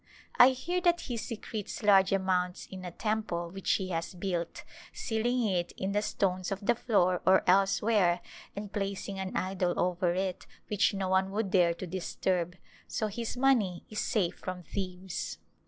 I hear that he secretes large amounts in a temple which he has built, sealing it in the stones of the floor or elsewhere and placing an idol over it which no one would dare to disturb ; so his money is safe from thieves.